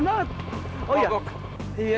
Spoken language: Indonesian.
nggak apa apa ya mas